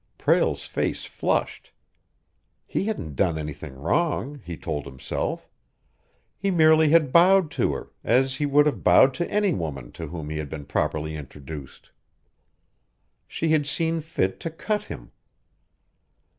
Prale's face flushed. He hadn't done anything wrong, he told himself. He merely had bowed to her, as he would have bowed to any woman to whom he had been properly introduced. She had seen fit to cut him.